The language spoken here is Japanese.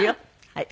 はい。